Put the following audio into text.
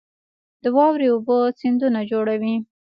د واورې اوبه سیندونه جوړوي